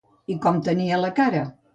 I com tenia la cara?